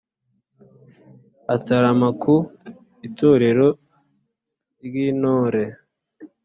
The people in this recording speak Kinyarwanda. Atarama ku itorero ryi ntore